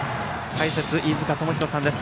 解説は飯塚智広さんです。